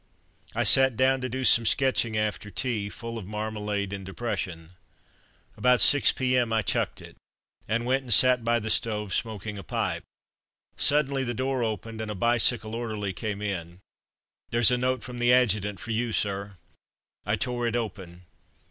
I sat down to do some sketching after tea, full of marmalade and depression. About 6 p.m. I chucked it, and went and sat by the stove, smoking a pipe. Suddenly the door opened and a bicycle orderly came in: "There's a note from the Adjutant for you, sir." I tore it open.